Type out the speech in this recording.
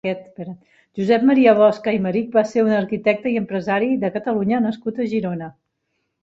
Josep Maria Bosch Aymerich va ser un arquitecte i empresari de Catalunya nascut a Girona.